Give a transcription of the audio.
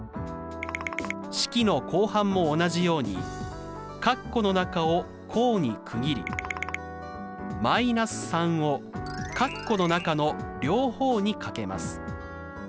式の後半も同じように括弧の中を項に区切り−３を括弧の中の両方に掛けます。